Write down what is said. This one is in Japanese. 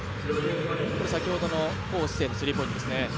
先ほどの黄思静のスリーポイントですね。